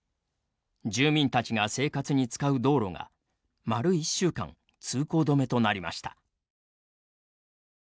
住民たちが生活に使う道路が丸１週間、通行止めとなりました。